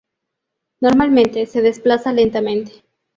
Normalmente se desplaza lentamente.